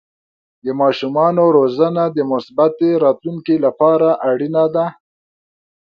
د ماشومانو روزنه د مثبتې راتلونکې لپاره اړینه ده.